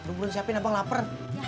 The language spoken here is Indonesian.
gue belum siapin abang lapar